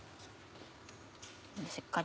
しっかり。